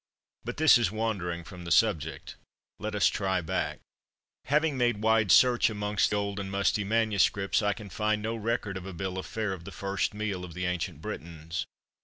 But this is wandering from the subject. Let us try back. Having made wide search amongst old and musty manuscripts, I can find no record of a bill of fare of the first meal of the ancient Britons.